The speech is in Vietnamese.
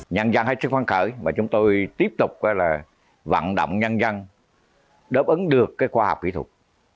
nhân dân hay chức khoản khởi chúng tôi tiếp tục vận động nhân dân đáp ứng được khoa học kỹ thuật